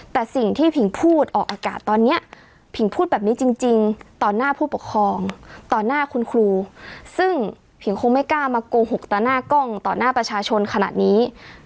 แต่สิ่งที่ผิงพูดออกอากาศตอนนี้ผิงพูดแบบนี้จริงต่อหน้าผู้ปกครองต่อหน้าคุณครูซึ่งผิงคงไม่กล้ามาโกหกต่อหน้ากล้องต่อหน้าประชาชนขนาดนี้